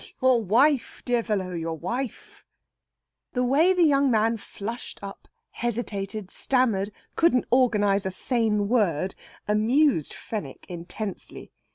Your wife, dear fellow, your wife." The way the young man flushed up, hesitated, stammered, couldn't organize a sane word, amused Fenwick intensely.